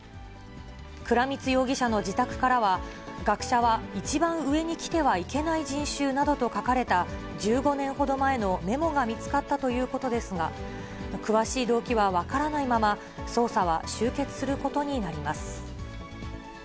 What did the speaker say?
倉光容疑者の自宅からは、学者は１番上にきてはいけない人種などと書かれた、１５年ほど前のメモが見つかったということですが、詳しい動機は分からないまま、捜査は終結することになります。